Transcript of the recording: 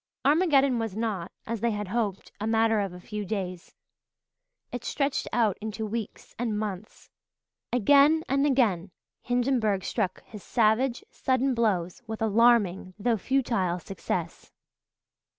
Armageddon was not, as they had hoped, a matter of a few days. It stretched out into weeks and months. Again and again Hindenburg struck his savage, sudden blows, with alarming, though futile success.